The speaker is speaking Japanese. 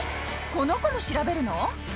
この子も調べるの？